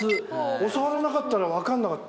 教わらなかったら分かんなかった。